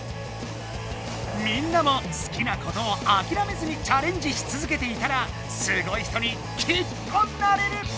みんなも好きなことをあきらめずにチャレンジし続けていたらすごい人にきっとなれる！